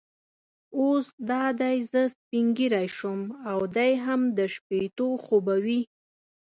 اوس دا دی زه سپینږیری شوم او دی هم د شپېتو خو به وي.